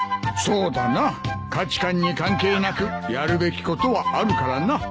そうだな価値観に関係なくやるべきことはあるからな。